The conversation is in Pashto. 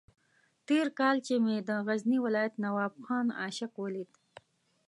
تېر کال چې مې د غزني ولایت نواب خان عاشق ولید.